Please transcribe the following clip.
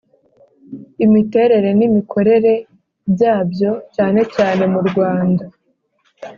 imiterere n imikorere byabyo cyane cyane murwanda